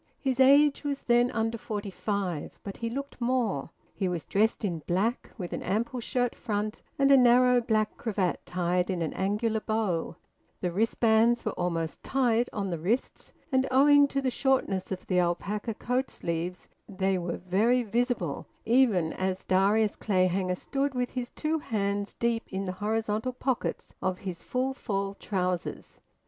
His age was then under forty five, but he looked more. He was dressed in black, with an ample shirt front and a narrow black cravat tied in an angular bow; the wristbands were almost tight on the wrists, and, owing to the shortness of the alpaca coat sleeves, they were very visible even as Darius Clayhanger stood, with his two hands deep in the horizontal pockets of his `full fall' trousers.